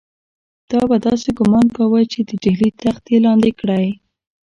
تا به داسې ګومان کاوه چې د ډهلي تخت یې لاندې کړی.